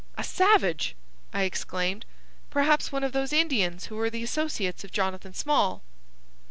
"A savage!" I exclaimed. "Perhaps one of those Indians who were the associates of Jonathan Small."